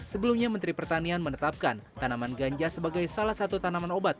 sebelumnya menteri pertanian menetapkan tanaman ganja sebagai salah satu tanaman obat